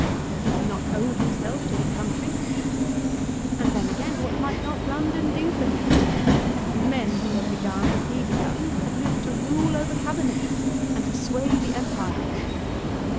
Did he not owe himself to his country? And then, again, what might not London do for him? Men who had begun as he begun had lived to rule over Cabinets, and to sway the Empire.